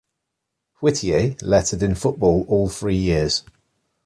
Whittier lettered in football all three years.